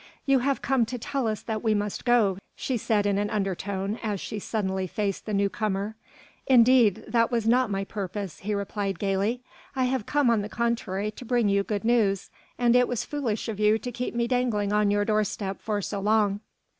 "You have come to tell us that we must go," she said in an undertone as she suddenly faced the newcomer. "Indeed, that was not my purpose," he replied gaily, "I have come on the contrary to bring you good news, and it was foolish of you to keep me dangling on your doorstep for so long."